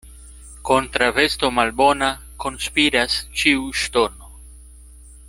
Kontraŭ vesto malbona konspiras ĉiu ŝtono.